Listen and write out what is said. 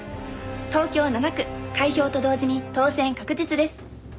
「東京７区開票と同時に当選確実です」